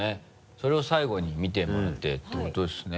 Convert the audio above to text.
それを最後に見てもらってっていうことですね。